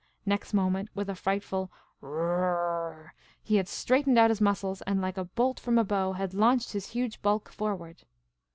Next moment, with a frightful R' r' r' r', he had straightened out his muscles, and, like a bolt from a bow, had launched his huge bulk forward.